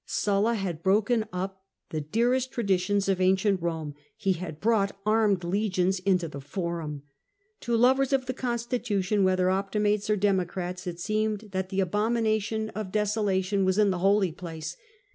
Sulla had broken up the dearest traditions of ancient Rome; he had brought armed legions into the Eorum. To lovers of the constitution, whether Optimates or Democrats, it seemed that the abomination of desola tion was in the Holy Place.